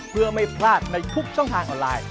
เพื่อไม่พลาดในทุกช่องทางออนไลน์